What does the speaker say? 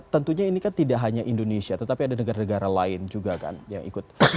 tentunya ini kan tidak hanya indonesia tetapi ada negara negara lain juga kan yang ikut